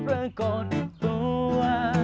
ประกอบทุกตัว